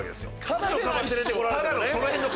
ただのカバ連れてこられてもね。